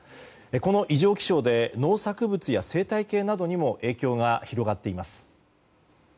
この異常気象で農作物や生態系などにも影響が広がっています。